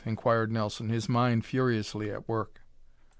inquired Nelson, his mind furiously at work.